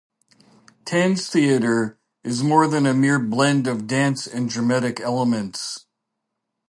Tanztheater is more than a mere 'blend' of dance and dramatic elements.